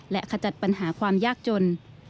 และขจัดปัญหาความยากจน